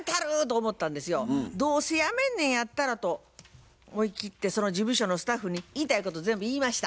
どうせやめんねんやったらと思い切ってその事務所のスタッフに言いたいこと全部言いました。